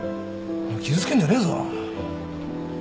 お前傷つけんじゃねえぞ。